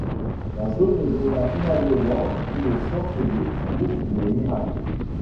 La zone devint finalement une sorte de cour des miracles.